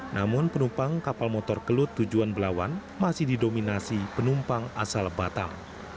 namun penumpang kapal motor kelut tujuan belawan masih didominasi penumpang asal batam